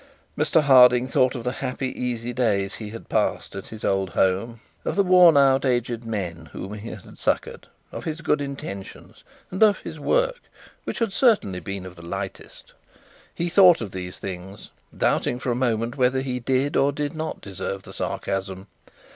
Mr Harding thought of the happy, easy years he had passed in his old house; of the worn out, aged men whom he had succoured; of his good intentions; and of his work, which had certainly been of the lightest. He thought of those things, doubting for a moment whether he did or did not deserve the sarcasm.